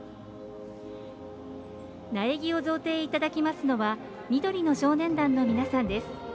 苗木を贈呈いただきますのは緑の少年団の皆さんです。